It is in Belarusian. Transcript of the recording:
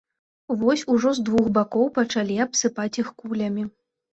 Вось ужо з двух бакоў пачалі абсыпаць іх кулямі.